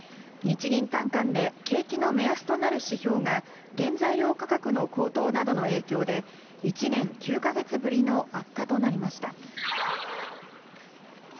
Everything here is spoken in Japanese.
日銀短観で、景気の目安となる指標が、原材料価格の高騰などの影響で、１年９か月ぶりの悪化となりました。